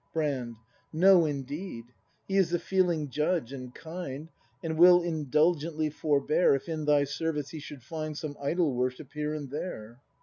Brand. No, indeed! He is a feeling Judge and kind, And will indulgently forbear. If in thy service He should find Some idol worship here and there.